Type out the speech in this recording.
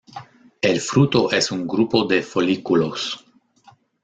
El fruto es un grupo de folículos.